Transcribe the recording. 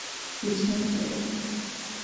вецӀну кӀира